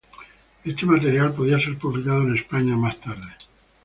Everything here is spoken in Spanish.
Este material podía ser publicado en España más tarde.